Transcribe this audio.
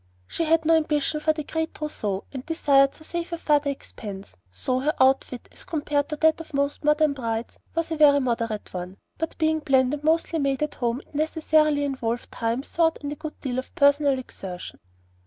She had no ambition for a great trousseau, and desired to save her father expense; so her outfit, as compared with that of most modern brides, was a very moderate one, but being planned and mostly made at home, it necessarily involved thought, time, and a good deal of personal exertion.